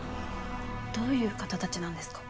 どういう方たちなんですか？